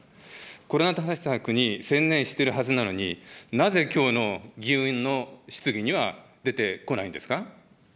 コロナ対策に専念しているはずなのに、なぜきょうの議運の質疑には出てこないんですか。